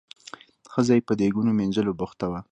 ښځه یې په دیګونو مینځلو بوخته وه.